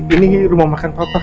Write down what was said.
ini rumah makan papa yang baru